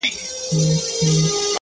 ټول عمر ښېرا کوه دا مه وايه،